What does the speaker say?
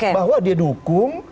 bahwa dia dukung